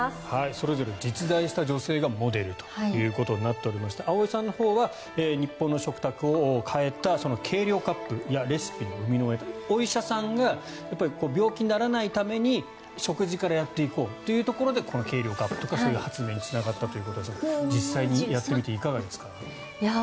それぞれ実在した女性がモデルとなっておりまして葵さんのほうは日本の食卓を変えた計量カップやレシピの生みの親お医者さんが病気にならないために、食事からやっていこうというところでこの計量カップとかそういう発明につながったということですが実際にやってみていかがですか？